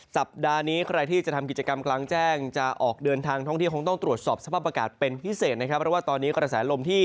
สัปดาห์นี้คนไหร่ที่จะทำกิจกรรมครั้งแจ้งจะออกเดินทางที่ต้องตรวจสอบสภาพอากาศเป็นพิเศษนะครับ